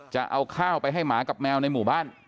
จะเอาข้าวไปให้หมากับแมวในหมู่บ้าน